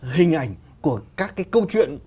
hình ảnh của các cái câu chuyện